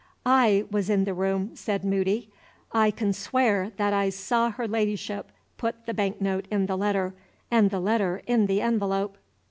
"I was in the room," said Moody. "I can swear that I saw her Ladyship put the bank note in the letter, and the letter in the envelope."